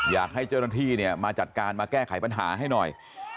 อยากให้เจ้าหน้าที่เนี่ยมาจัดการมาแก้ไขปัญหาให้หน่อย